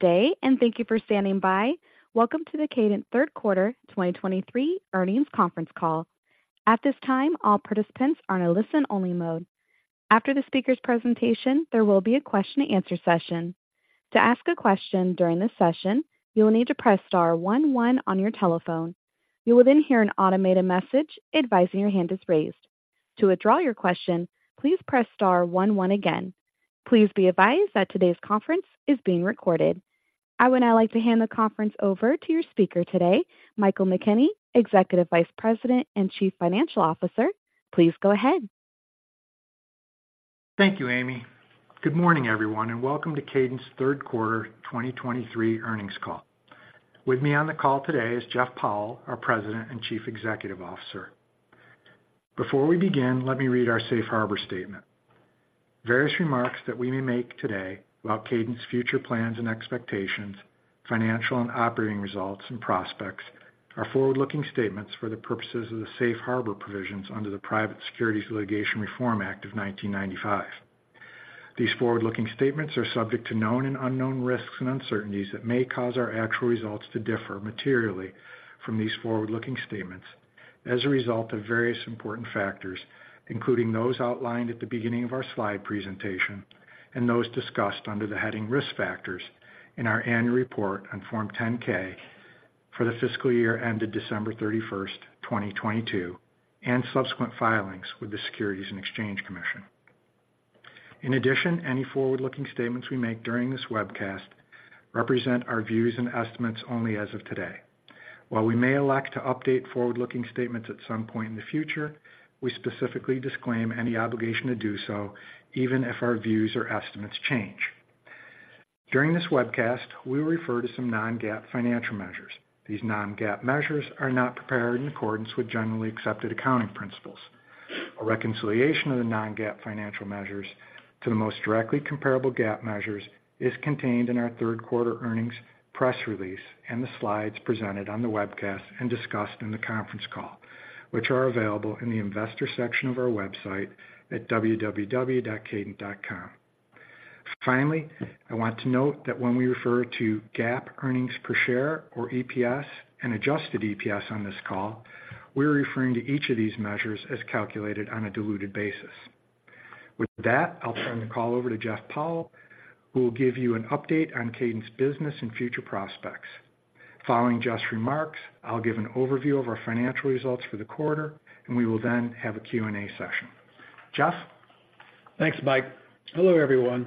Good day, and thank you for standing by. Welcome to the Kadant third quarter 2023 earnings conference call. At this time, all participants are in a listen-only mode. After the speaker's presentation, there will be a question-and-answer session. To ask a question during this session, you will need to press star one one on your telephone. You will then hear an automated message advising your hand is raised. To withdraw your question, please press star one one again. Please be advised that today's conference is being recorded. I would now like to hand the conference over to your speaker today, Michael McKenney, Executive Vice President and Chief Financial Officer. Please go ahead. Thank you, Amy. Good morning, everyone, and welcome to Kadant's third quarter 2023 earnings call. With me on the call today is Jeff Powell, our President and Chief Executive Officer. Before we begin, let me read our safe harbor statement. Various remarks that we may make today about Kadant's future plans and expectations, financial and operating results and prospects are forward-looking statements for the purposes of the safe harbor provisions under the Private Securities Litigation Reform Act of 1995. These forward-looking statements are subject to known and unknown risks and uncertainties that may cause our actual results to differ materially from these forward-looking statements as a result of various important factors, including those outlined at the beginning of our slide presentation and those discussed under the heading Risk Factors in our annual report on Form 10-K for the fiscal year ended December 31st, 2022, and subsequent filings with the Securities and Exchange Commission. In addition, any forward-looking statements we make during this webcast represent our views and estimates only as of today. While we may elect to update forward-looking statements at some point in the future, we specifically disclaim any obligation to do so, even if our views or estimates change. During this webcast, we will refer to some non-GAAP financial measures. These non-GAAP measures are not prepared in accordance with generally accepted accounting principles. A reconciliation of the non-GAAP financial measures to the most directly comparable GAAP measures is contained in our third quarter earnings press release and the slides presented on the webcast and discussed in the conference call, which are available in the Investor section of our website at www.kadant.com. Finally, I want to note that when we refer to GAAP earnings per share or EPS and adjusted EPS on this call, we are referring to each of these measures as calculated on a diluted basis. With that, I'll turn the call over to Jeff Powell, who will give you an update on Kadant's business and future prospects. Following Jeff's remarks, I'll give an overview of our financial results for the quarter, and we will then have a Q&A session. Jeff? Thanks, Mike. Hello, everyone.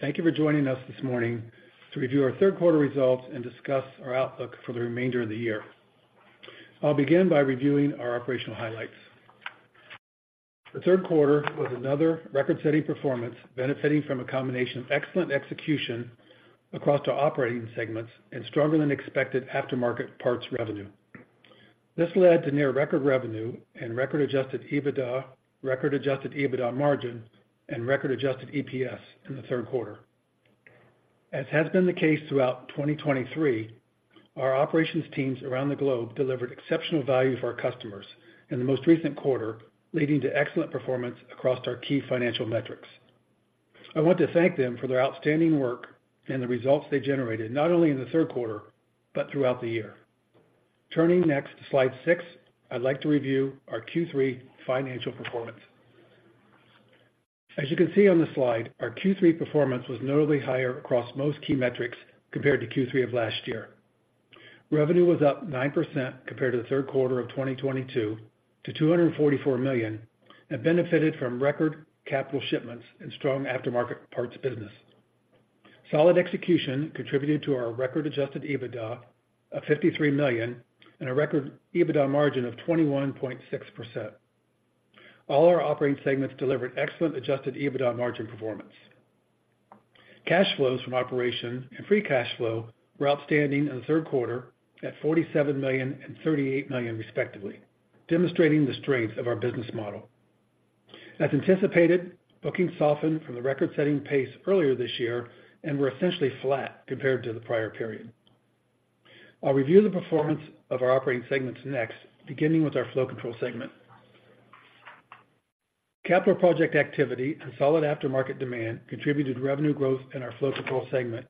Thank you for joining us this morning to review our third quarter results and discuss our outlook for the remainder of the year. I'll begin by reviewing our operational highlights. The third quarter was another record-setting performance, benefiting from a combination of excellent execution across the operating segments and stronger-than-expected aftermarket parts revenue. This led to near record revenue and record adjusted EBITDA, record adjusted EBITDA margin, and record adjusted EPS in the third quarter. As has been the case throughout 2023, our operations teams around the globe delivered exceptional value for our customers in the most recent quarter, leading to excellent performance across our key financial metrics. I want to thank them for their outstanding work and the results they generated, not only in the third quarter, but throughout the year. Turning next to slide 6, I'd like to review our Q3 financial performance. As you can see on the slide, our Q3 performance was notably higher across most key metrics compared to Q3 of last year. Revenue was up 9% compared to the third quarter of 2022 to $244 million, and benefited from record capital shipments and strong Aftermarket Parts business. Solid execution contributed to our record Adjusted EBITDA of $53 million and a record EBITDA margin of 21.6%. All our operating segments delivered excellent Adjusted EBITDA margin performance. Cash flows from operations and Free Cash Flow were outstanding in the third quarter at $47 million and $38 million, respectively, demonstrating the strength of our business model. As anticipated, bookings softened from the record-setting pace earlier this year and were essentially flat compared to the prior period. I'll review the performance of our operating segments next, beginning with our Flow Control segment. Capital project activity and solid aftermarket demand contributed to revenue growth in our Flow Control segment,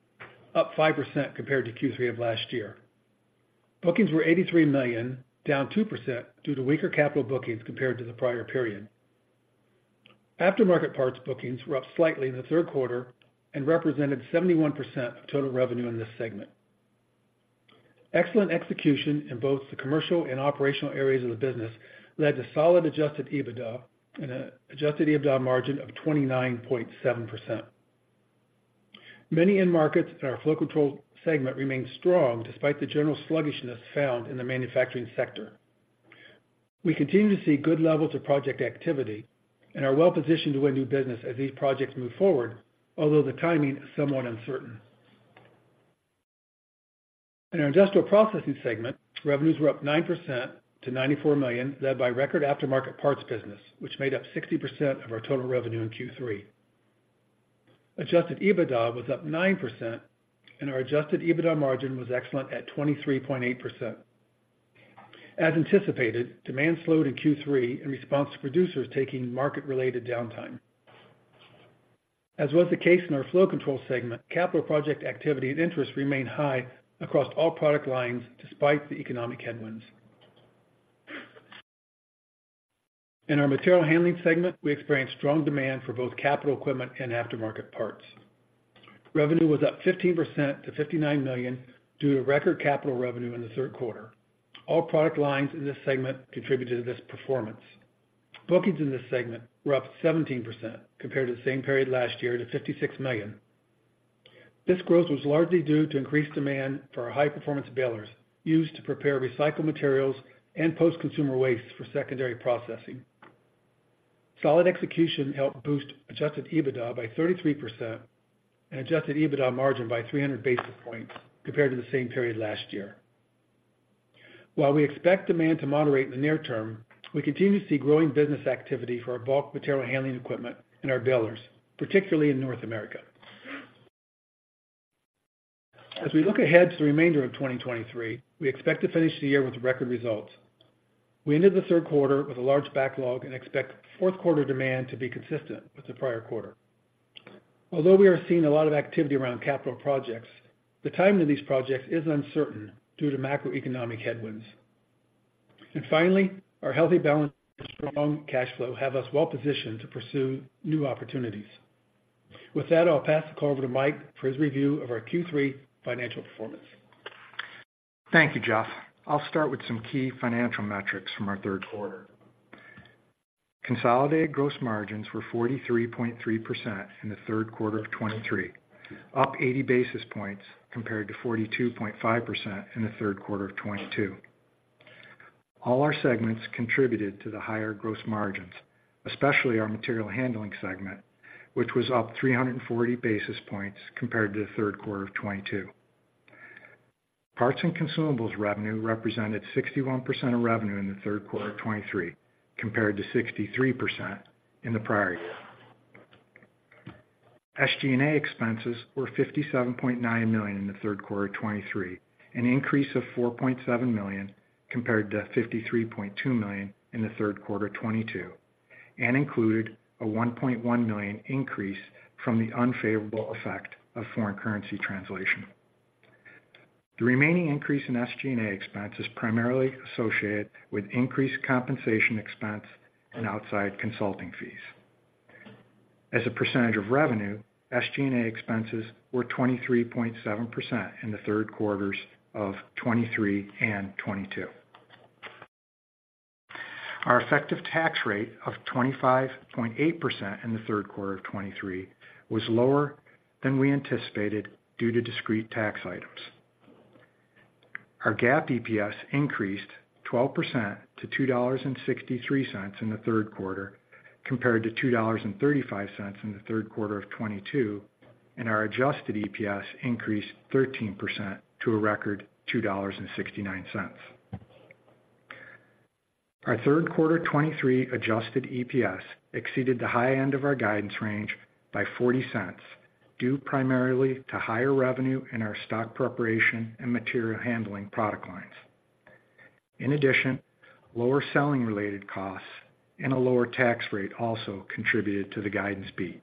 up 5% compared to Q3 of last year. Bookings were $83 million, down 2%, due to weaker capital bookings compared to the prior period. Aftermarket parts bookings were up slightly in the third quarter and represented 71% of total revenue in this segment. Excellent execution in both the commercial and operational areas of the business led to solid adjusted EBITDA and adjusted EBITDA margin of 29.7%. Many end markets in our Flow Control segment remained strong, despite the general sluggishness found in the manufacturing sector. We continue to see good levels of project activity and are well positioned to win new business as these projects move forward, although the timing is somewhat uncertain. In our Industrial Processing segment, revenues were up 9% to $94 million, led by record aftermarket parts business, which made up 60% of our total revenue in Q3. Adjusted EBITDA was up 9%, and our adjusted EBITDA margin was excellent at 23.8%. As anticipated, demand slowed in Q3 in response to producers taking market-related downtime. As was the case in our Flow Control segment, capital project activity and interest remain high across all product lines, despite the economic headwinds. In our Material Handling segment, we experienced strong demand for both capital equipment and aftermarket parts. Revenue was up 15% to $59 million, due to record capital revenue in the third quarter. All product lines in this segment contributed to this performance. Bookings in this segment were up 17% compared to the same period last year to $56 million. This growth was largely due to increased demand for our high-performance balers, used to prepare recycled materials and post-consumer waste for secondary processing. Solid execution helped boost adjusted EBITDA by 33% and adjusted EBITDA margin by 300 basis points compared to the same period last year. While we expect demand to moderate in the near term, we continue to see growing business activity for our bulk material handling equipment and our balers, particularly in North America. As we look ahead to the remainder of 2023, we expect to finish the year with record results. We ended the third quarter with a large backlog and expect fourth quarter demand to be consistent with the prior quarter. Although we are seeing a lot of activity around capital projects, the timing of these projects is uncertain due to macroeconomic headwinds. And finally, our healthy balance and strong cash flow have us well positioned to pursue new opportunities. With that, I'll pass the call over to Mike for his review of our Q3 financial performance. Thank you, Jeff. I'll start with some key financial metrics from our third quarter. Consolidated gross margins were 43.3% in the third quarter of 2023, up 80 basis points compared to 42.5% in the third quarter of 2022. All our segments contributed to the higher gross margins, especially our Material Handling segment, which was up 340 basis points compared to the third quarter of 2022. Parts and consumables revenue represented 61% of revenue in the third quarter of 2023, compared to 63% in the prior year. SG&A expenses were $57.9 million in the third quarter of 2023, an increase of $4.7 million compared to $53.2 million in the third quarter of 2022, and included a $1.1 million increase from the unfavorable effect of foreign currency translation. The remaining increase in SG&A expenses primarily associated with increased compensation expense and outside consulting fees. As a percentage of revenue, SG&A expenses were 23.7% in the third quarters of 2023 and 2022. Our effective tax rate of 25.8% in the third quarter of 2023 was lower than we anticipated due to discrete tax items. Our GAAP EPS increased 12% to $2.63 in the third quarter, compared to $2.35 in the third quarter of 2022, and our adjusted EPS increased 13% to a record $2.69. Our third quarter 2023 adjusted EPS exceeded the high end of our guidance range by $0.40, due primarily to higher revenue in our stock preparation and material handling product lines. In addition, lower selling-related costs and a lower tax rate also contributed to the guidance beat.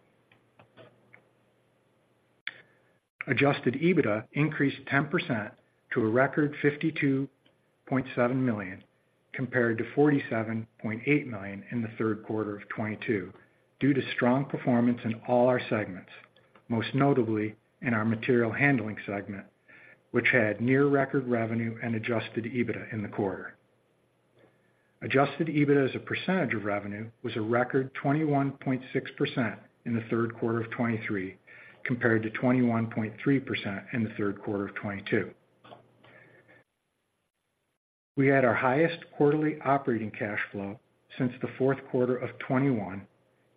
Adjusted EBITDA increased 10% to a record $52.7 million, compared to $47.8 million in the third quarter of 2022, due to strong performance in all our segments, most notably in our Material Handling segment, which had near record revenue and adjusted EBITDA in the quarter. Adjusted EBITDA as a percentage of revenue was a record 21.6% in the third quarter of 2023, compared to 21.3% in the third quarter of 2022. We had our highest quarterly operating cash flow since the fourth quarter of 2021,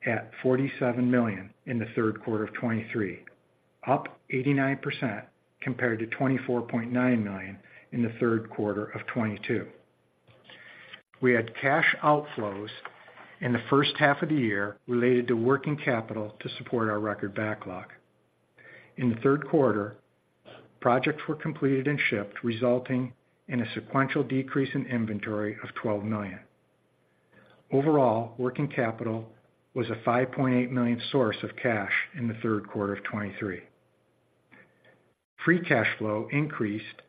at $47 million in the third quarter of 2023, up 89% compared to $24.9 million in the third quarter of 2022. We had cash outflows in the first half of the year related to working capital to support our record backlog. In the third quarter, projects were completed and shipped, resulting in a sequential decrease in inventory of $12 million. Overall, working capital was a $5.8 million source of cash in the third quarter of 2023. Free cash flow increased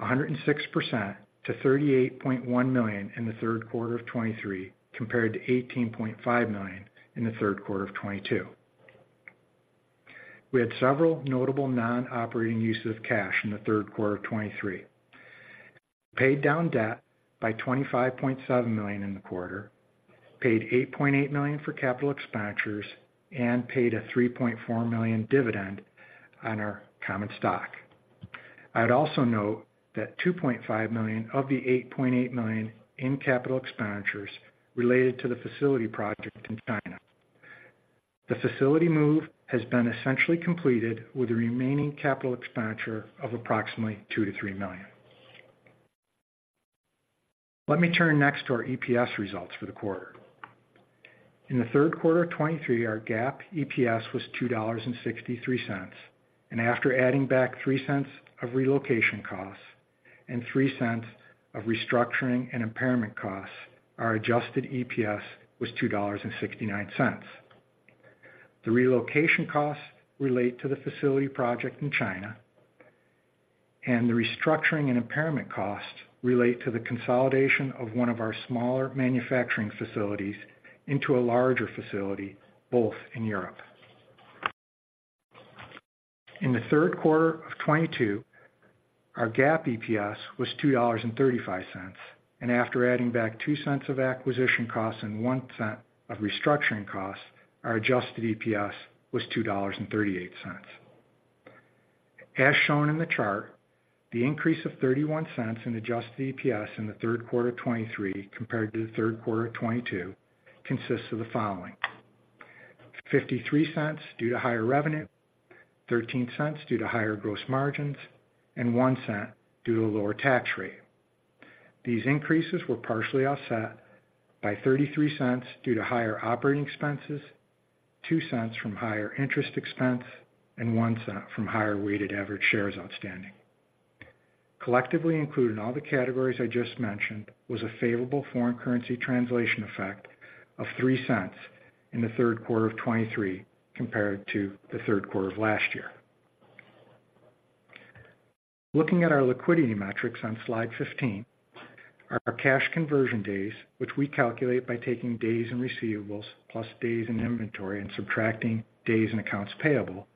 106% to $38.1 million in the third quarter of 2023, compared to $18.5 million in the third quarter of 2022. We had several notable non-operating uses of cash in the third quarter of 2023, paid down debt by $25.7 million in the quarter, paid $8.8 million for capital expenditures, and paid a $3.4 million dividend on our common stock. I'd also note that $2.5 million of the $8.8 million in capital expenditures related to the facility project in China. The facility move has been essentially completed, with a remaining capital expenditure of approximately $2 million-$3 million. Let me turn next to our EPS results for the quarter.... In the third quarter of 2023, our GAAP EPS was $2.63, and after adding back $0.03 of relocation costs and $0.03 of restructuring and impairment costs, our adjusted EPS was $2.69. The relocation costs relate to the facility project in China, and the restructuring and impairment costs relate to the consolidation of one of our smaller manufacturing facilities into a larger facility, both in Europe. In the third quarter of 2022, our GAAP EPS was $2.35, and after adding back $0.02 of acquisition costs and $0.01 of restructuring costs, our adjusted EPS was $2.38. As shown in the chart, the increase of $0.31 in adjusted EPS in the third quarter of 2023 compared to the third quarter of 2022 consists of the following: $0.53 due to higher revenue, $0.13 due to higher gross margins, and $0.01 due to lower tax rate. These increases were partially offset by $0.33 due to higher operating expenses, $0.02 from higher interest expense, and $0.01 from higher weighted average shares outstanding. Collectively included in all the categories I just mentioned, was a favorable foreign currency translation effect of $0.03 in the third quarter of 2023, compared to the third quarter of last year. Looking at our liquidity metrics on slide 15, our cash conversion days, which we calculate by taking days in receivables, plus days in inventory and subtracting days in accounts payable,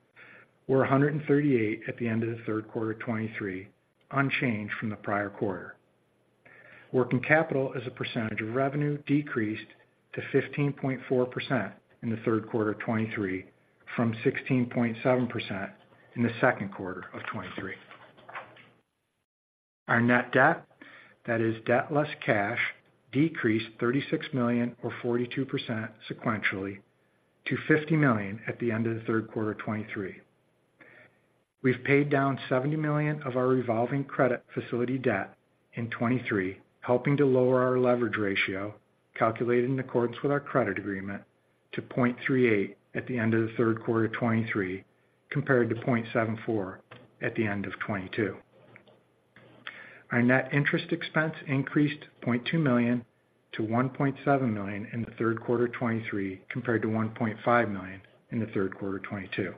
were 138 at the end of the third quarter of 2023, unchanged from the prior quarter. Working capital as a percentage of revenue decreased to 15.4% in the third quarter of 2023, from 16.7% in the second quarter of 2023. Our net debt, that is debt less cash, decreased $36 million or 42% sequentially to $50 million at the end of the third quarter of 2023. We've paid down $70 million of our revolving credit facility debt in 2023, helping to lower our leverage ratio, calculated in accordance with our credit agreement, to 0.38 at the end of the third quarter of 2023, compared to 0.74 at the end of 2022. Our net interest expense increased $0.2 million to $1.7 million in the third quarter of 2023, compared to $1.5 million in the third quarter of 2022.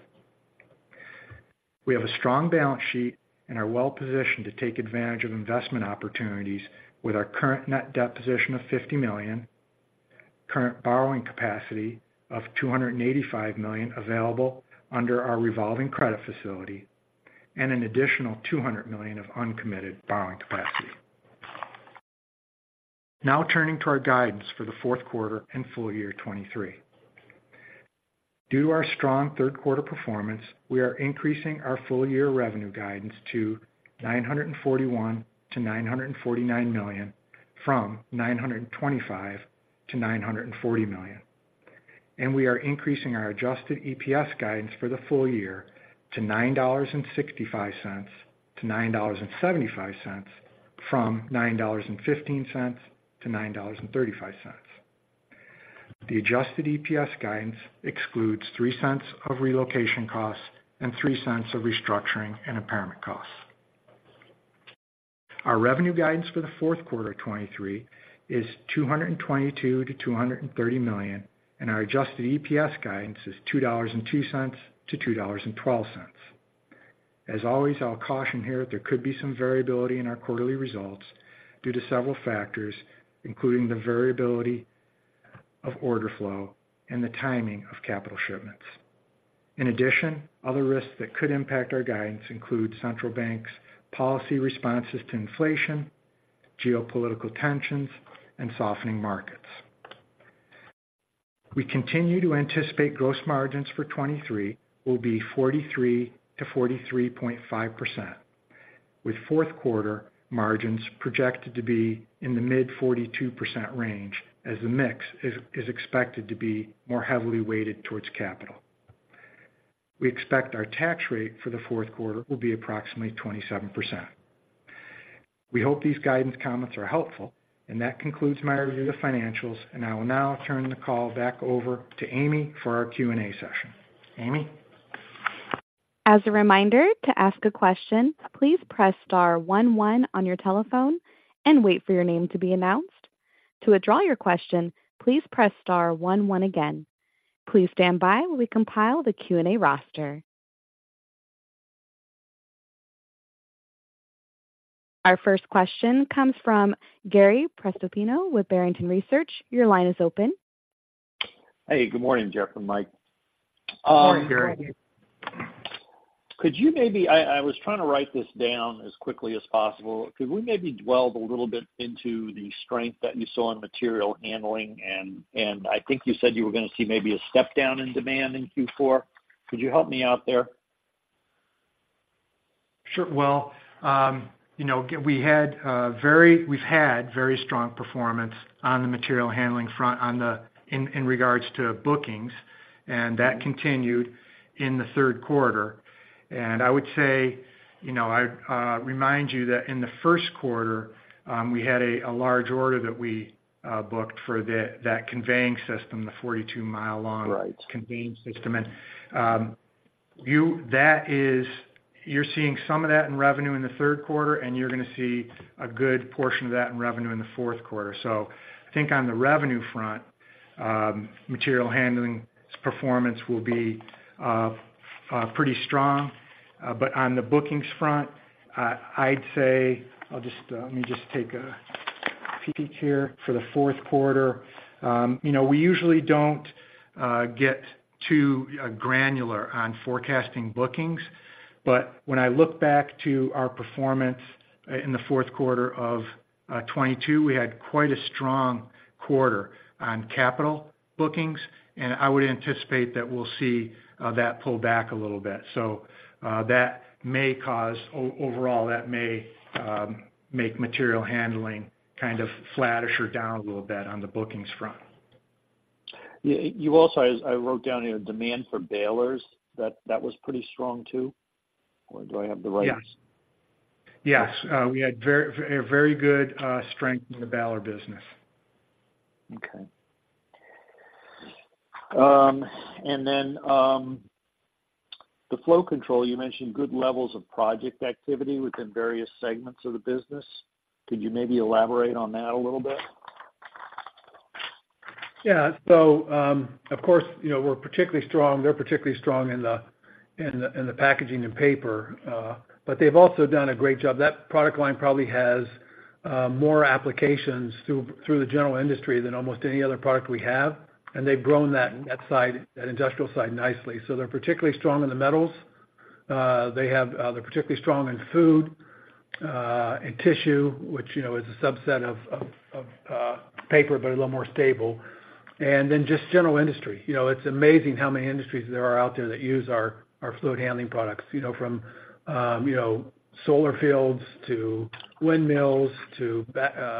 We have a strong balance sheet and are well positioned to take advantage of investment opportunities with our current net debt position of $50 million, current borrowing capacity of $285 million available under our revolving credit facility, and an additional $200 million of uncommitted borrowing capacity. Now turning to our guidance for the fourth quarter and full year 2023. Due to our strong third quarter performance, we are increasing our full-year revenue guidance to $941 million-$949 million, from $925 million-$940 million. We are increasing our Adjusted EPS guidance for the full year to $9.65-$9.75, from $9.15-$9.35. The Adjusted EPS guidance excludes $0.03 of relocation costs and $0.03 of restructuring and impairment costs. Our revenue guidance for the fourth quarter of 2023 is $222 million-$230 million, and our Adjusted EPS guidance is $2.02-$2.12. As always, I'll caution here that there could be some variability in our quarterly results due to several factors, including the variability of order flow and the timing of capital shipments. In addition, other risks that could impact our guidance include central banks' policy responses to inflation, geopolitical tensions, and softening markets. We continue to anticipate gross margins for 2023 will be 43%-43.5%, with fourth quarter margins projected to be in the mid-42% range, as the mix is expected to be more heavily weighted towards capital. We expect our tax rate for the fourth quarter will be approximately 27%. We hope these guidance comments are helpful, and that concludes my review of financials, and I will now turn the call back over to Amy for our Q&A session. Amy? As a reminder, to ask a question, please press star one, one on your telephone and wait for your name to be announced. To withdraw your question, please press star one, one again. Please stand by while we compile the Q&A roster. Our first question comes from Gary Prestopino with Barrington Research. Your line is open. Hey, good morning, Jeff and Mike. Good morning, Gary. Could you maybe—I, I was trying to write this down as quickly as possible. Could we maybe dwell a little bit into the strength that you saw in material handling? And I think you said you were gonna see maybe a step down in demand in Q4. Could you help me out there? Sure. Well, you know, we had very strong performance on the material handling front, in regards to bookings, and that continued in the third quarter. And I would say, you know, I'd remind you that in the first quarter, we had a large order that we booked for that conveying system, the 42mi long. Right. Conveying system. And. You, that is, you're seeing some of that in revenue in the third quarter, and you're gonna see a good portion of that in revenue in the fourth quarter. So I think on the revenue front, material handling's performance will be pretty strong. But on the bookings front, I'd say, I'll just let me just take a peek here for the fourth quarter. You know, we usually don't get too granular on forecasting bookings, but when I look back to our performance in the fourth quarter of 2022, we had quite a strong quarter on capital bookings, and I would anticipate that we'll see that pull back a little bit. So, that may cause overall, that may make material handling kind of flattish or down a little bit on the bookings front. Yeah, you also, I wrote down here, demand for balers, that was pretty strong, too? Or do I have the right? Yes. Yes, we had a very good strength in the baler business. Okay. And then, the flow control, you mentioned good levels of project activity within various segments of the business. Could you maybe elaborate on that a little bit? Yeah. So, of course, you know, we're particularly strong, they're particularly strong in the, in the, in the packaging and paper, but they've also done a great job. That product line probably has more applications through the general industry than almost any other product we have, and they've grown that side, that industrial side, nicely. So they're particularly strong in the metals. They have, they're particularly strong in food, and tissue, which, you know, is a subset of paper, but a little more stable. And then just general industry. You know, it's amazing how many industries there are out there that use our fluid handling products, you know, from, you know, solar fields to windmills, to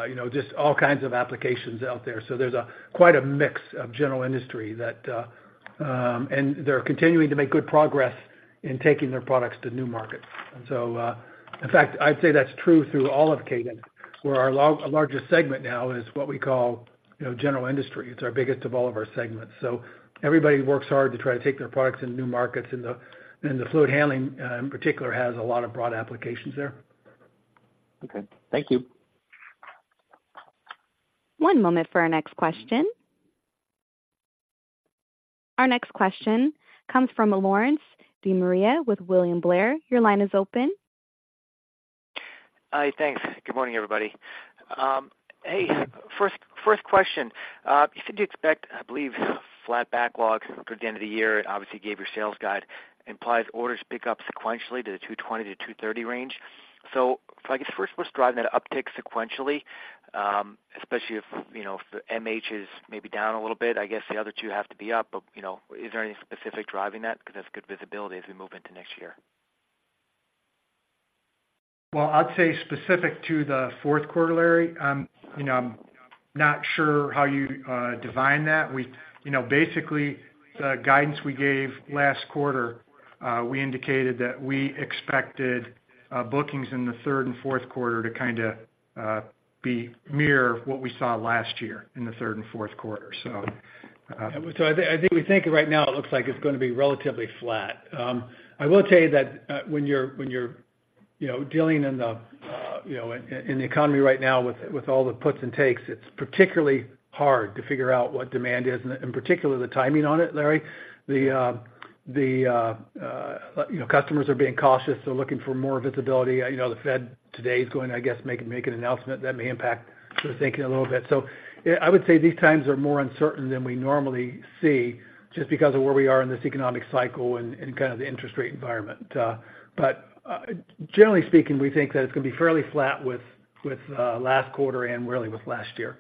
you know, just all kinds of applications out there. So there's quite a mix of general industry, and they're continuing to make good progress in taking their products to new markets. And so, in fact, I'd say that's true through all of Kadant, where our largest segment now is what we call, you know, general industry. It's our biggest of all of our segments. So everybody works hard to try to take their products into new markets, and the fluid handling, in particular, has a lot of broad applications there. Okay, Thank you. One moment for our next question. Our next question comes from Lawrence De Maria, with William Blair. Your line is open. Hi, thanks. Good morning, everybody. Hey, first question: You said you expect, I believe, flat backlogs for the end of the year. Obviously, you gave your sales guide, implies orders pick up sequentially to the $220-$230 range. So I guess, first, what's driving that uptick sequentially, especially if, you know, if the MH is maybe down a little bit, I guess the other two have to be up. But, you know, is there any specific driving that? Because that's good visibility as we move into next year. Well, I'd say specific to the fourth quarter, Larry, you know, I'm not sure how you define that. We, you know, basically, the guidance we gave last quarter, we indicated that we expected bookings in the third and fourth quarter to kinda be mirror what we saw last year in the third and fourth quarter. So- So I think, I think we think right now it looks like it's gonna be relatively flat. I will tell you that, when you're, when you're, you know, dealing in the, you know, in, in the economy right now with, with all the puts and takes, it's particularly hard to figure out what demand is, and in particular, the timing on it, Larry. The, the, you know, customers are being cautious. They're looking for more visibility. You know, the Fed today is going to, I guess, make an announcement that may impact the thinking a little bit. So, yeah, I would say these times are more uncertain than we normally see, just because of where we are in this economic cycle and kind of the interest rate environment. But generally speaking, we think that it's gonna be fairly flat with last quarter and really with last year.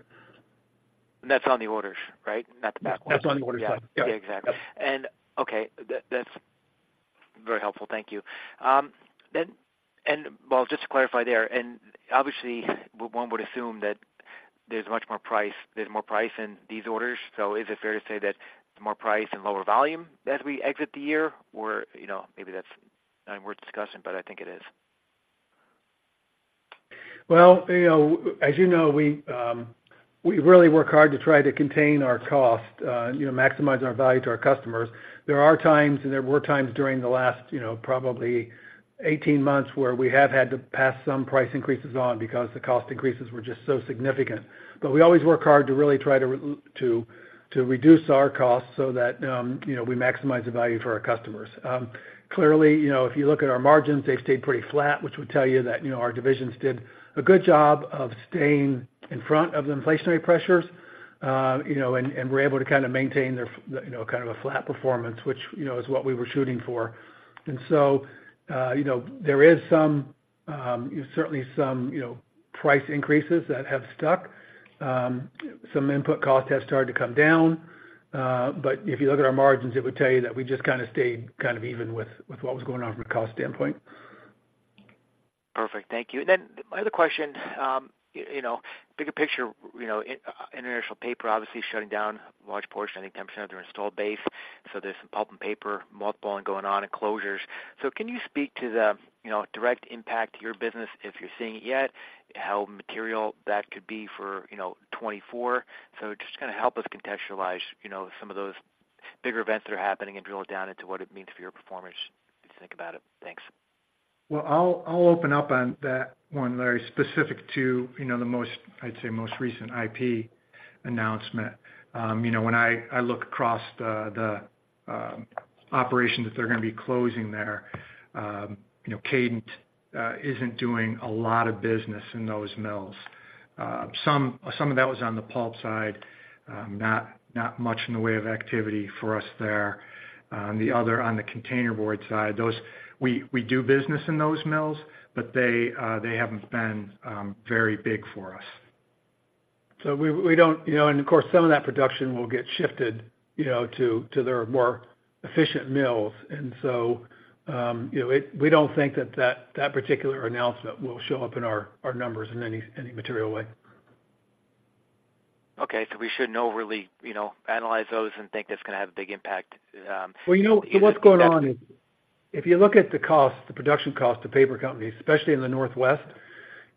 That's on the orders, right? Not the backlogs. That's on the orders side. Yeah. Yeah. Okay, exactly. Yep. Okay, that that's very helpful. Thank you. Then, well, just to clarify there, and obviously, one would assume that there's much more price, there's more price in these orders. So is it fair to say that there's more price and lower volume as we exit the year? Or, you know, maybe that's not worth discussing, but I think it is. Well, you know, as you know, we really work hard to try to contain our cost, you know, maximize our value to our customers. There are times, and there were times during the last, you know, probably 18 months, where we have had to pass some price increases on because the cost increases were just so significant. But we always work hard to really try to reduce our costs so that, you know, we maximize the value for our customers. Clearly, you know, if you look at our margins, they've stayed pretty flat, which would tell you that, you know, our divisions did a good job of staying in front of the inflationary pressures, you know, and we're able to kind of maintain their, you know, kind of a flat performance, which, you know, is what we were shooting for. And so, you know, there is some certainly some, you know, price increases that have stuck. Some input costs have started to come down, but if you look at our margins, it would tell you that we just kinda stayed kind of even with, with what was going on from a cost standpoint. Perfect. Thank you. Then my other question, you know, bigger picture, you know, International Paper obviously shutting down large portion, I think 10% of their installed base, so there's some pulp and paper, mothballing going on and closures. So can you speak to the, you know, direct impact to your business, if you're seeing it yet? How material that could be for, you know, 2024? So just kind of help us contextualize, you know, some of those bigger events that are happening and drill it down into what it means for your performance, if you think about it. Thanks. Well, I'll open up on that one, very specific to, you know, the most, I'd say, most recent IP announcement. You know, when I look across the operations that they're gonna be closing there, you know, Kadant isn't doing a lot of business in those mills. Some of that was on the pulp side, not much in the way of activity for us there. On the containerboard side, those, we do business in those mills, but they haven't been very big for us. So we don't, you know, and of course, some of that production will get shifted, you know, to their more efficient mills. You know, we don't think that particular announcement will show up in our numbers in any material way. Okay. So we shouldn't overly, you know, analyze those and think that's gonna have a big impact. Well, you know, what's going on is, if you look at the cost, the production cost of paper companies, especially in the Northwest,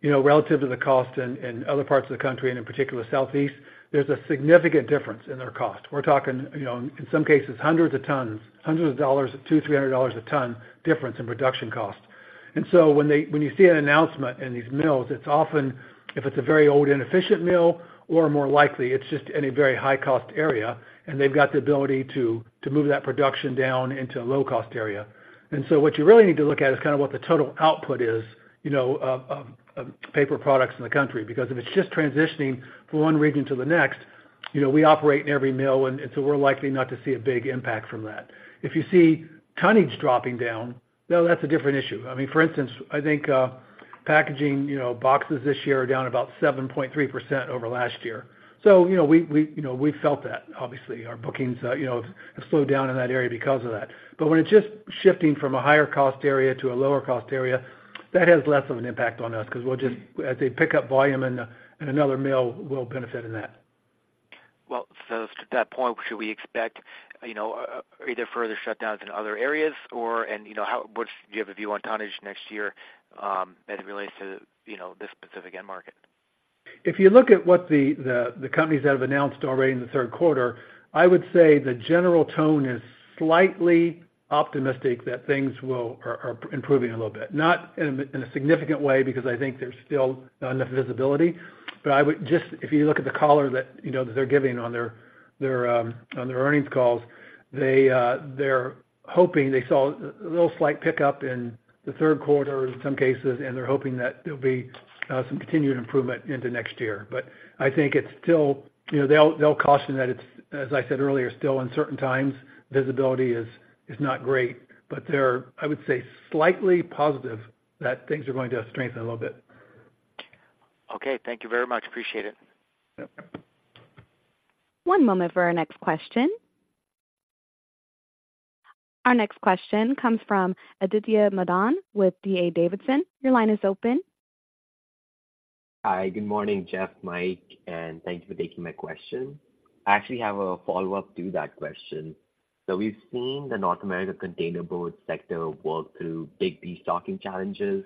you know, relative to the cost in other parts of the country, and in particular, Southeast, there's a significant difference in their cost. We're talking, you know, in some cases, hundreds of tons, hundreds of dollars, $200-$300 a ton difference in production cost. And so when they when you see an announcement in these mills, it's often, if it's a very old, inefficient mill, or more likely, it's just in a very high-cost area, and they've got the ability to move that production down into a low-cost area. And so what you really need to look at is kind of what the total output is, you know, of paper products in the country, because if it's just transitioning from one region to the next, you know, we operate in every mill, and so we're likely not to see a big impact from that. If you see tonnage dropping down, now that's a different issue. I mean, for instance, I think, packaging, you know, boxes this year are down about 7.3% over last year. So, you know, we, you know, we felt that. Obviously, our bookings, you know, have slowed down in that area because of that. But when it's just shifting from a higher cost area to a lower cost area, that has less of an impact on us, 'cause we'll just, as they pick up volume in another mill, we'll benefit in that. Well, so to that point, should we expect, you know, either further shutdowns in other areas, or, you know, how, what's, do you have a view on tonnage next year, as it relates to, you know, this specific end market? If you look at what the companies that have announced already in the third quarter, I would say the general tone is slightly optimistic that things are improving a little bit. Not in a significant way, because I think there's still not enough visibility. But I would just—if you look at the color that, you know, they're giving on their earnings calls, they're hoping they saw a little slight pickup in the third quarter in some cases, and they're hoping that there'll be some continued improvement into next year. But I think it's still, you know, they'll caution that it's, as I said earlier, still uncertain times. Visibility is not great, but they're, I would say, slightly positive that things are going to strengthen a little bit. Okay. Thank you very much. Appreciate it. Yep. One moment for our next question. Our next question comes from Aditya Madan with D.A. Davidson. Your line is open. Hi, good morning, Jeff, Mike, and thank you for taking my question. I actually have a follow-up to that question. So we've seen the North America containerboard sector work through big destocking challenges,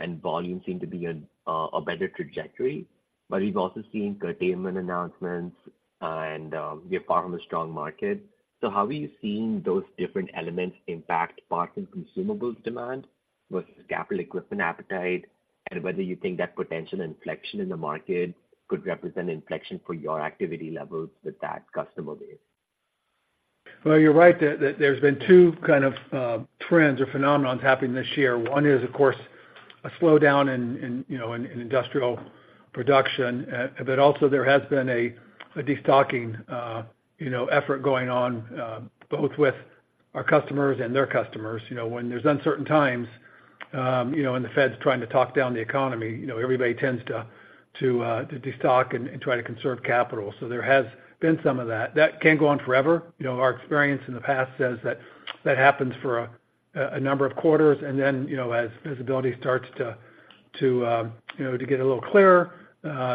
and volume seem to be in a better trajectory, but we've also seen curtailment announcements and we're far from a strong market. So how are you seeing those different elements impact parts and consumables demand versus capital equipment appetite, and whether you think that potential inflection in the market could represent inflection for your activity levels with that customer base? Well, you're right that there's been two kind of trends or phenomena happening this year. One is, of course, a slowdown in, you know, in industrial production, but also there has been a destocking, you know, effort going on, both with our customers and their customers. You know, when there's uncertain times, you know, and the Fed's trying to talk down the economy, you know, everybody tends to to destock and try to conserve capital. So there has been some of that. That can't go on forever. You know, our experience in the past says that that happens for a number of quarters, and then, you know, as visibility starts to get a little clearer,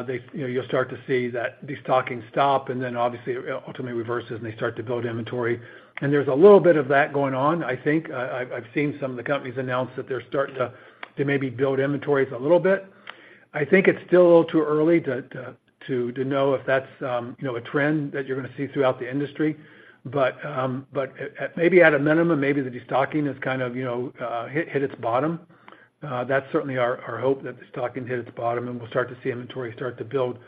they, you know, you'll start to see that destocking stop, and then obviously, it ultimately reverses, and they start to build inventory. And there's a little bit of that going on, I think. I've seen some of the companies announce that they're starting to maybe build inventories a little bit. I think it's still a little too early to know if that's, you know, a trend that you're gonna see throughout the industry. But at maybe at a minimum, maybe the destocking has kind of, you know, hit its bottom. That's certainly our, our hope, that destocking hit its bottom, and we'll start to see inventory start to build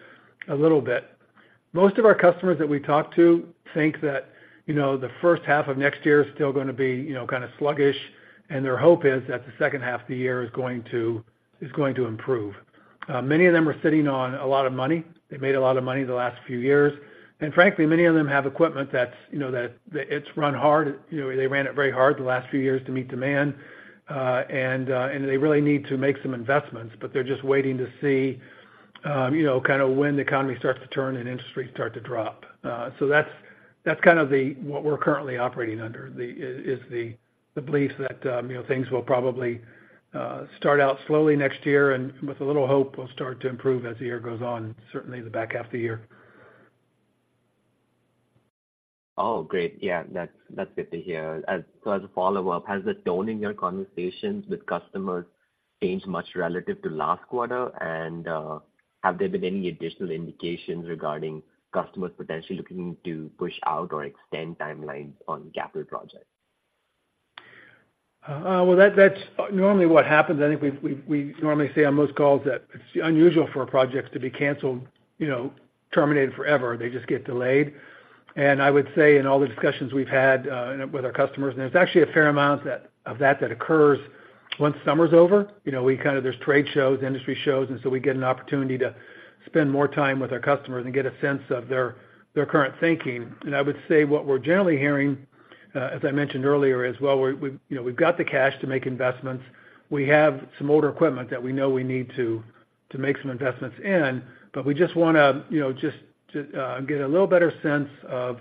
a little bit. Most of our customers that we talk to think that, you know, the first half of next year is still gonna be, you know, kind of sluggish, and their hope is that the second half of the year is going to, is going to improve. Many of them are sitting on a lot of money. They made a lot of money the last few years, and frankly, many of them have equipment that's, you know, that, that it's run hard. You know, they ran it very hard the last few years to meet demand. And they really need to make some investments, but they're just waiting to see, you know, kind of when the economy starts to turn and interest rates start to drop. So that's kind of what we're currently operating under, is the belief that, you know, things will probably start out slowly next year, and with a little hope, will start to improve as the year goes on, certainly the back half of the year. Oh, great. Yeah, that's, that's good to hear. As, so as a follow-up, has the tone in your conversations with customers changed much relative to last quarter? And, have there been any additional indications regarding customers potentially looking to push out or extend timelines on capital projects? Well, that's normally what happens. I think we normally say on most calls that it's unusual for projects to be canceled, you know, terminated forever. They just get delayed. And I would say in all the discussions we've had with our customers, and there's actually a fair amount of that that occurs once summer's over. You know, we kind of. There's trade shows, industry shows, and so we get an opportunity to spend more time with our customers and get a sense of their current thinking. And I would say what we're generally hearing, as I mentioned earlier, is well, you know, we've got the cash to make investments. We have some older equipment that we know we need to make some investments in, but we just wanna, you know, just get a little better sense of,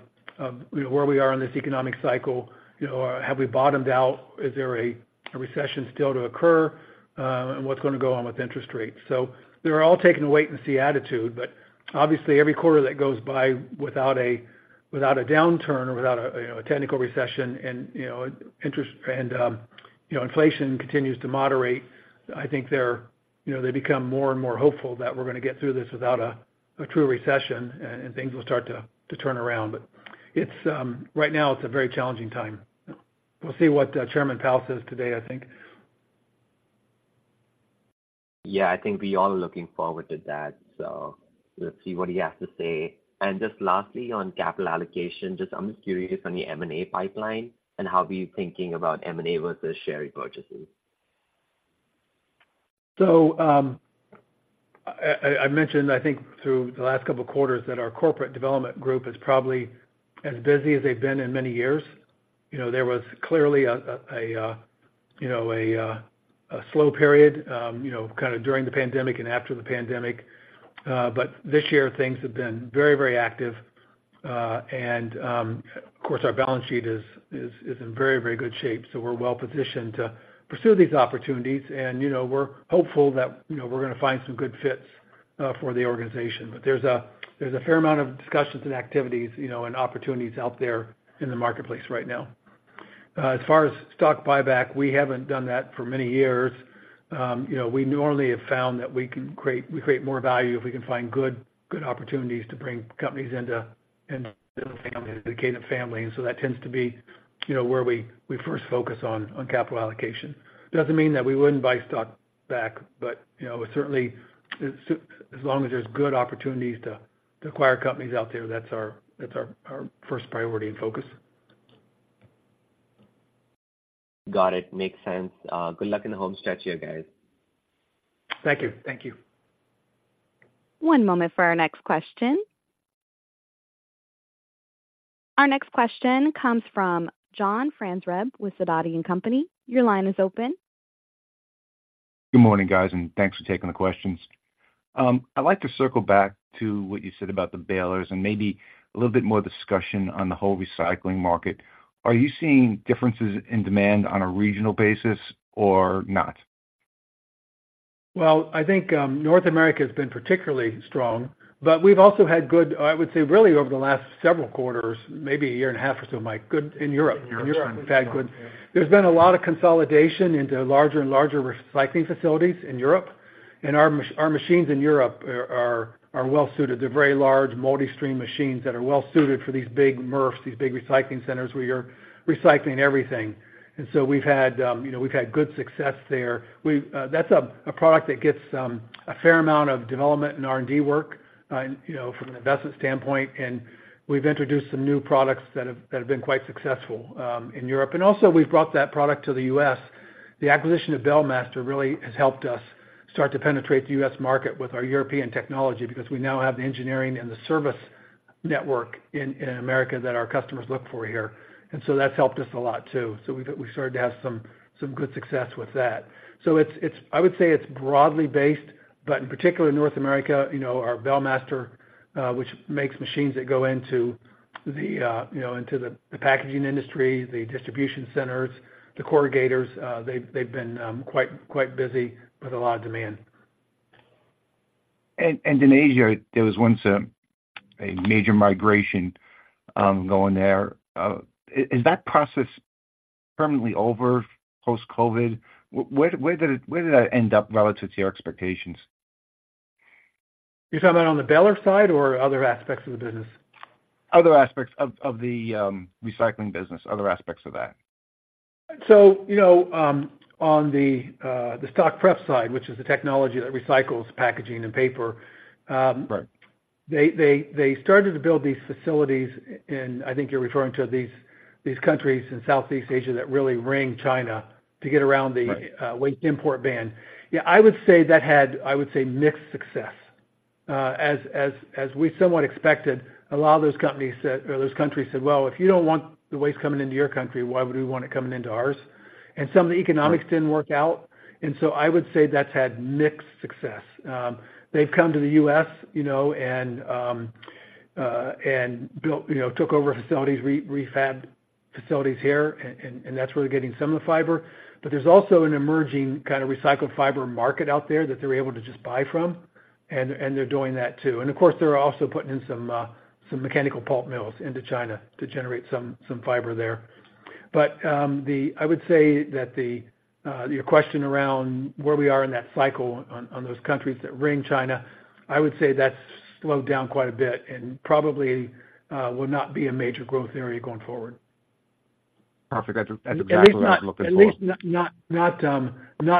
you know, where we are in this economic cycle, you know, or have we bottomed out? Is there a recession still to occur, and what's gonna go on with interest rates? So they're all taking a wait and see attitude, but obviously, every quarter that goes by without a downturn or without a technical recession and, you know, interest rates and inflation continues to moderate, I think they're, you know, they become more and more hopeful that we're gonna get through this without a true recession, and things will start to turn around. But right now, it's a very challenging time. We'll see what, Chairman Powell says today, I think. Yeah, I think we all are looking forward to that. So let's see what he has to say. And just lastly, on capital allocation, just I'm just curious on the M&A pipeline and how are you thinking about M&A versus share repurchases? So, I mentioned, I think, through the last couple of quarters, that our corporate development group is probably as busy as they've been in many years. You know, there was clearly a slow period, you know, kind of during the pandemic and after the pandemic. But this year, things have been very, very active. And, of course, our balance sheet is in very good shape, so we're well positioned to pursue these opportunities. And, you know, we're hopeful that, you know, we're gonna find some good fits for the organization. But there's a fair amount of discussions and activities, you know, and opportunities out there in the marketplace right now. As far as stock buyback, we haven't done that for many years. You know, we normally have found that we can create—we create more value if we can find good, good opportunities to bring companies into, into the Kadant family. And so that tends to be, you know, where we, we first focus on, on capital allocation. It doesn't mean that we wouldn't buy stock back, but, you know, certainly, as, as long as there's good opportunities to, to acquire companies out there, that's our, that's our, our first priority and focus. Got it. Makes sense. Good luck in the home stretch here, guys. Thank you. Thank you. One moment for our next question. Our next question comes from John Franzreb with Sidoti & Company. Your line is open. Good morning, guys, and thanks for taking the questions. I'd like to circle back to what you said about the balers and maybe a little bit more discussion on the whole recycling market. Are you seeing differences in demand on a regional basis or not? Well, I think, North America has been particularly strong, but we've also had good, I would say, really over the last several quarters, maybe a year and a half or so, Mike, good in Europe. In Europe. In fact, good. There's been a lot of consolidation into larger and larger recycling facilities in Europe, and our machines in Europe are well suited. They're very large, multi-stream machines that are well suited for these big MRF, these big recycling centers, where you're recycling everything. And so we've had, you know, we've had good success there. We've, that's a product that gets a fair amount of development and R&D work, you know, from an investment standpoint, and we've introduced some new products that have been quite successful in Europe. And also, we've brought that product to the U.S. The acquisition of Balemaster really has helped us start to penetrate the U.S. market with our European technology, because we now have the engineering and the service network in America that our customers look for here. So that's helped us a lot, too. So we've started to have some good success with that. So it's, I would say it's broadly based, but in particular, in North America, you know, our Balemaster, which makes machines that go into the, you know, into the packaging industry, the distribution centers, the corrugators, they've been quite busy with a lot of demand. In Asia, there was once a major migration going there. Is that process permanently over post-COVID? Where did that end up relative to your expectations? You're talking about on the baler side or other aspects of the business? Other aspects of the recycling business, other aspects of that. So, you know, on the stock prep side, which is the technology that recycles packaging and paper. Right. They started to build these facilities, and I think you're referring to these countries in Southeast Asia that really ring China to get around the. Right. Waste import ban. Yeah, I would say that had, I would say, mixed success. As we somewhat expected, a lot of those companies said, or those countries said, "Well, if you don't want the waste coming into your country, why would we want it coming into ours?" And some of the economics didn't work out, and so I would say that's had mixed success. They've come to the U.S., you know, and built, you know, took over facilities, refabbed facilities here, and that's where they're getting some of the fiber. But there's also an emerging kind of recycled fiber market out there that they're able to just buy from... and they're doing that too. And of course, they're also putting in some mechanical pulp mills into China to generate some fiber there. But, I would say that the, your question around where we are in that cycle on, on those countries that ring China, I would say that's slowed down quite a bit and probably, will not be a major growth area going forward. Perfect. That's exactly what I'm looking for. At least not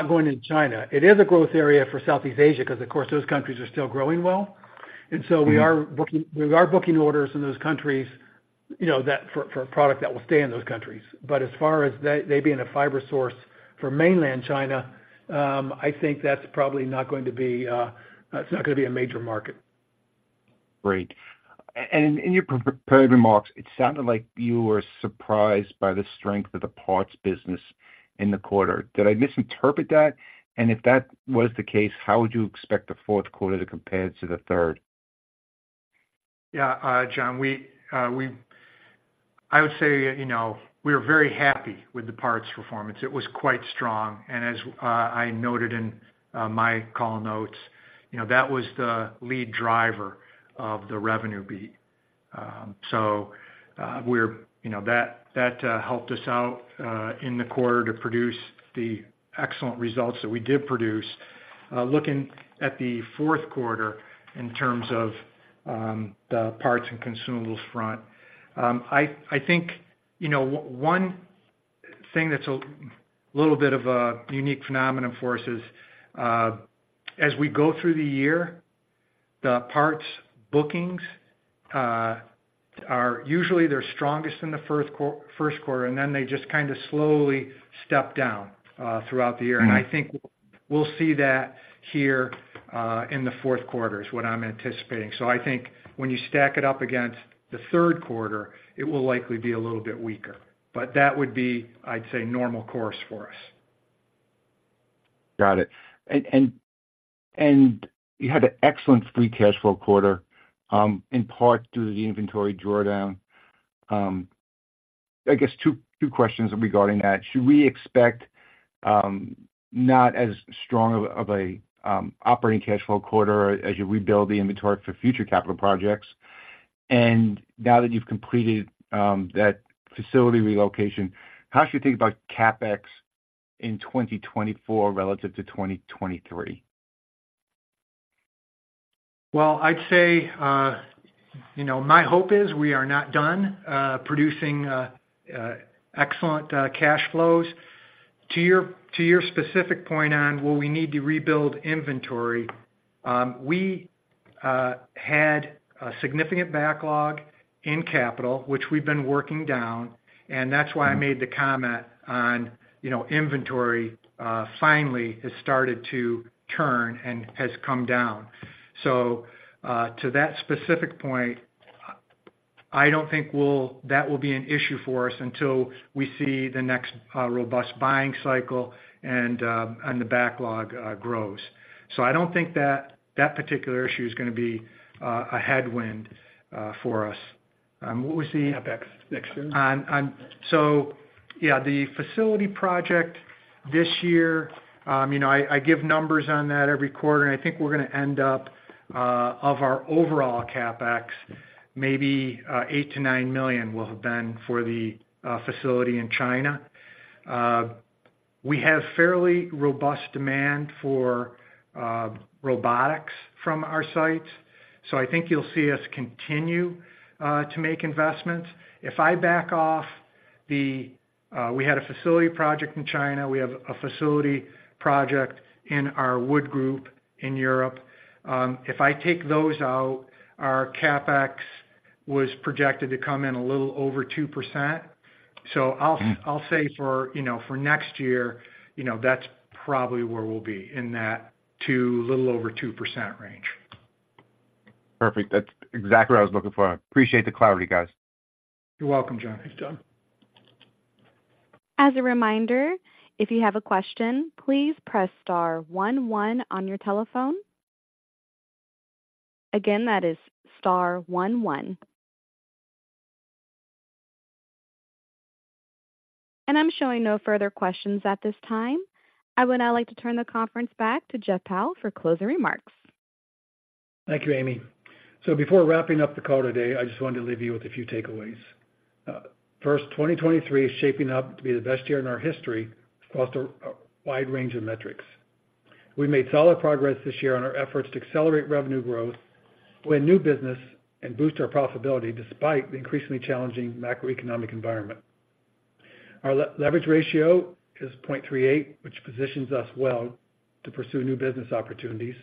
going into China. It is a growth area for Southeast Asia, because, of course, those countries are still growing well. And so we are booking orders in those countries, you know, for a product that will stay in those countries. But as far as they being a fiber source for mainland China, I think that's probably not going to be, it's not gonna be a major market. Great. And in your pre-prepared remarks, it sounded like you were surprised by the strength of the parts business in the quarter. Did I misinterpret that? And if that was the case, how would you expect the fourth quarter to compare to the third? Yeah, John, I would say, you know, we're very happy with the parts performance. It was quite strong, and as I noted in my call notes, you know, that was the lead driver of the revenue beat. So, you know, that helped us out in the quarter to produce the excellent results that we did produce. Looking at the fourth quarter in terms of the parts and consumables front, I think, you know, one thing that's a little bit of a unique phenomenon for us is, as we go through the year, the parts bookings are usually their strongest in the first quarter, and then they just kind of slowly step down throughout the year. Mm-hmm. I think we'll see that here, in the fourth quarter, is what I'm anticipating. I think when you stack it up against the third quarter, it will likely be a little bit weaker, but that would be, I'd say, normal course for us. Got it. And you had an excellent Free Cash Flow quarter, in part due to the inventory drawdown. I guess two questions regarding that. Should we expect not as strong of a operating cash flow quarter as you rebuild the inventory for future capital projects? And now that you've completed that facility relocation, how should you think about CapEx in 2024 relative to 2023? Well, I'd say, you know, my hope is we are not done producing excellent cash flows. To your specific point on will we need to rebuild inventory, we had a significant backlog in capital, which we've been working down, and that's why I made the comment on, you know, inventory finally has started to turn and has come down. So, to that specific point, I don't think we'll-- that will be an issue for us until we see the next robust buying cycle and the backlog grows. So I don't think that particular issue is gonna be a headwind for us. What was the. CapEx mixture. So yeah, the facility project this year, you know, I give numbers on that every quarter, and I think we're gonna end up, of our overall CapEx, maybe, eight to nine million will have been for the facility in China. We have fairly robust demand for robotics from our sites, so I think you'll see us continue to make investments. If I back off the, we had a facility project in China, we have a facility project in our wood group in Europe, if I take those out, our CapEx was projected to come in a little over 2%. Mm-hmm. So I'll say, you know, for next year, you know, that's probably where we'll be, in that two, little over 2% range. Perfect. That's exactly what I was looking for. I appreciate the clarity, guys. You're welcome, John. Thanks, John. As a reminder, if you have a question, please press star one one on your telephone. Again, that is star one one. I'm showing no further questions at this time. I would now like to turn the conference back to Jeff Powell for closing remarks. Thank you, Amy. So before wrapping up the call today, I just wanted to leave you with a few takeaways. First, 2023 is shaping up to be the best year in our history across a wide range of metrics. We made solid progress this year on our efforts to accelerate revenue growth, win new business, and boost our profitability, despite the increasingly challenging macroeconomic environment. Our leverage ratio is 0.38, which positions us well to pursue new business opportunities,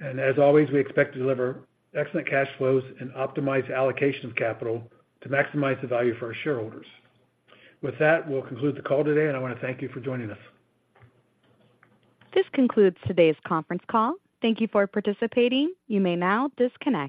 and as always, we expect to deliver excellent cash flows and optimize allocation of capital to maximize the value for our shareholders. With that, we'll conclude the call today, and I wanna thank you for joining us. This concludes today's conference call. Thank you for participating. You may now disconnect.